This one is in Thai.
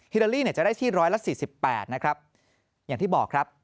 ฮิลาลีจะได้ที่๑๔๘นะครับอย่างที่บอกครับ